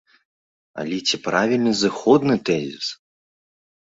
Але ці правільны зыходны тэзіс?